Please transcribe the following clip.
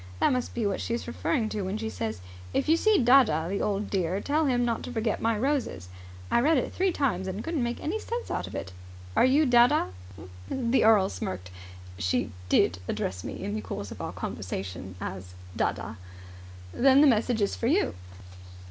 That must be what she's referring to when she says, 'If you see dadda, the old dear, tell him not to forget my roses.' I read it three times and couldn't make any sense out of it. Are you Dadda?" The earl smirked. "She did address me in the course of our conversation as dadda." "Then the message is for you."